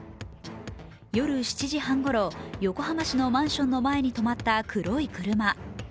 夜７時半ごろ、横浜市のマンションの前に止まった黒い車。